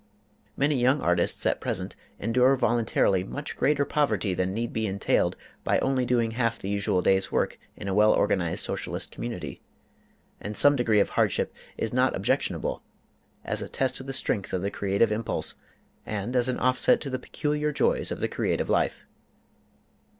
Many young artists at present endure voluntarily much greater poverty than need be entailed by only doing half the usual day's work in a well organized Socialist community; and some degree of hardship is not objectionable, as a test of the strength of the creative impulse, and as an offset to the peculiar joys of the creative life.